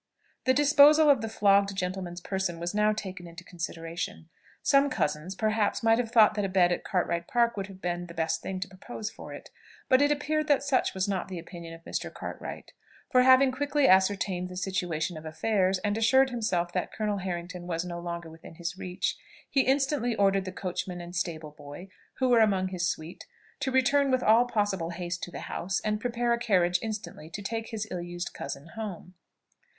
The disposal of the flogged gentleman's person was now taken into consideration. Some cousins, perhaps, might have thought that a bed at Cartwright Park would have been the best thing to propose for it; but it appeared that such was not the opinion of Mr. Cartwright; for having quickly ascertained the situation of affairs, and assured himself that Colonel Harrington was no longer within his reach, he instantly ordered the coachman and stable boy, who were among his suite, to return with all possible haste to the house, and prepare a carriage instantly to take his ill used cousin home.